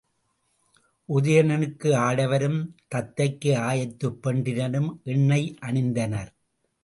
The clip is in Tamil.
உதயணனுக்கு ஆடவரும் தத்தைக்கு ஆயத்துப் பெண்டிரும் எண்ணெய் அணிந்தனர்.